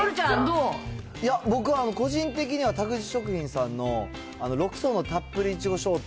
いや、僕は個人的には田口食品さんの、６層のたっぷり苺ショート。